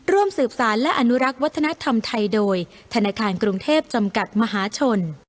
ร่วมสืบสารและอนุรักษ์วัฒนธรรมไทยโดยธนาคารกรุงเทพจำกัดมหาชน